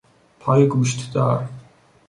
پای گوشت دار